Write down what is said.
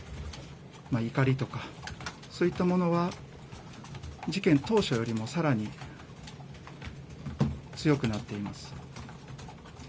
怒りとか、そういったものは、事件当初よりもさらに強くなっています。